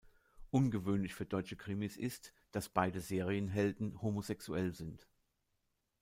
Ungewöhnlich für deutsche Krimis ist, dass beide Serienhelden homosexuell sind.